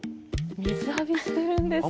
水浴びしてるんですよ。